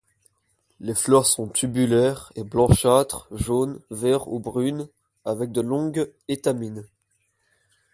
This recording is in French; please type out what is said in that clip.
Les fleurs sont tubulaires et blanchâtre, jaune, vert ou brune, avec de longues étamines.